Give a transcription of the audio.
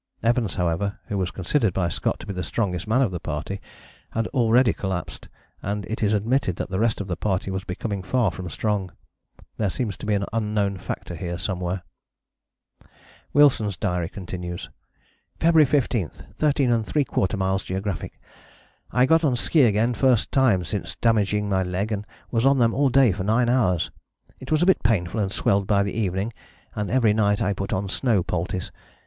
Evans, however, who was considered by Scott to be the strongest man of the party, had already collapsed, and it is admitted that the rest of the party was becoming far from strong. There seems to be an unknown factor here somewhere. [Illustration: MT. KYFFIN E. A. Wilson, del.] Wilson's diary continues: "February 15. 13¾ m. geog. I got on ski again first time since damaging my leg and was on them all day for 9 hours. It was a bit painful and swelled by the evening, and every night I put on snow poultice.